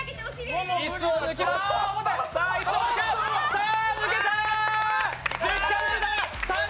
さあ、抜けたー！